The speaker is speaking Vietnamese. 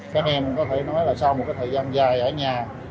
anh em có thể nói là sau một thời gian dài ở nhà